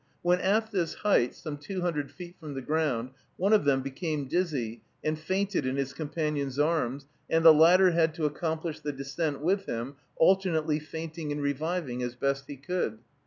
When at this height, some two hundred feet from the ground, one of them became dizzy, and fainted in his companion's arms, and the latter had to accomplish the descent with him, alternately fainting and reviving, as best he could.